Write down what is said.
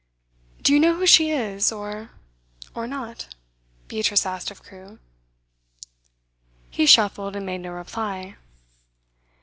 'Do you know who she is or not?' Beatrice asked of Crewe. He shuffled, and made no reply.